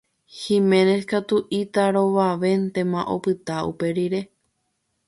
Giménez katu itarovavéntema opyta uperire.